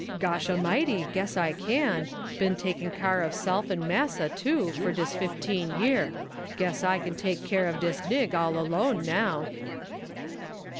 "Gosh a mighty, guess I can! Ben taking car' of self and massa too for dis fifteen year. Guess I can take car' of dis nig all alone now."